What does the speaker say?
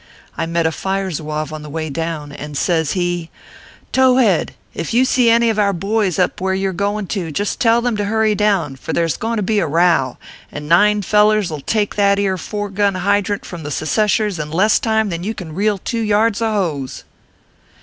I met a Fire Zouave on the way down, and says he :" Towhead, if you see any of our boys up where you re goin to, just tell them to hurry down ; fur there s goin to be a row, and Nine s fellers 11 take that ere four gun hydrant from the scceshers in less time than you can reel two yards of hose."